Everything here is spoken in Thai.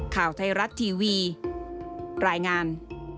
ข่าวไทยรัฐทีวีรายงาน